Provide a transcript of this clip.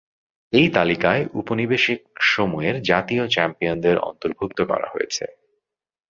এই তালিকায় উপনিবেশিক সময়ের জাতীয় চ্যাম্পিয়নদের অন্তর্ভুক্ত করা হয়েছে।